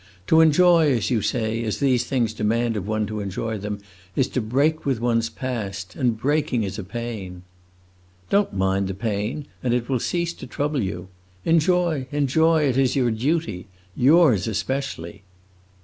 To enjoy, as you say, as these things demand of one to enjoy them, is to break with one's past. And breaking is a pain!" "Don't mind the pain, and it will cease to trouble you. Enjoy, enjoy; it is your duty. Yours especially!"